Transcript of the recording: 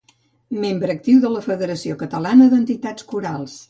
Membre actiu de la Federació Catalana d'Entitats Corals.